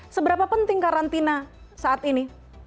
seberapa penting karantina saat ini